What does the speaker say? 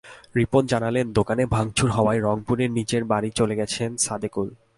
রিপন জানালেন, দোকানে ভাঙচুর হওয়ায় রংপুরে নিজের বাড়ি চলে গেছেন সাদেকুল।